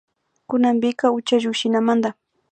Kunanpika ucha llukshinamanda